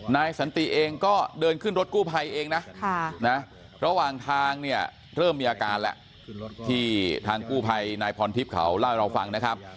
นายสันติเองก็เดินขึ้นรถกู้ภัยเองนะระหว่างทางเนี่ยเริ่มมีอาการแล้วที่ทางกู้ภัยนายพรทิพย์เขาเล่าให้เราฟังนะครับ